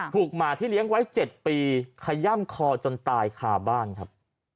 หมาที่เลี้ยงไว้๗ปีขย่ำคอจนตายคาบ้านครับ